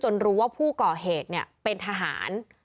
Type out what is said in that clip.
จนรู้ว่าผู้ก่อเหตุเนี่ยเป็นทหาร